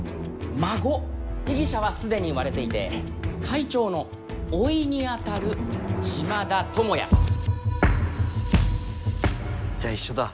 被疑者は既に割れていて会長の甥にあたる島田友也。じゃあ一緒だ。